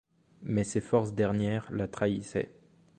Mais ses forces dernières la trahissaient.